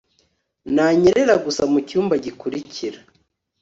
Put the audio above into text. nanyerera gusa mucyumba gikurikira